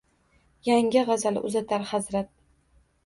Yangi g’azal uzatar Hazrat